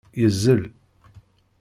Yeẓẓel.